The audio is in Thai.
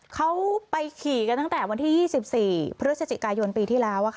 เขาไปขี่กันตั้งแต่วันที่๒๔พฤศจิกายนปีที่แล้ว